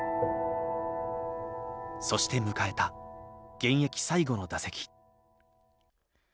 そして迎えた現役最後の打席。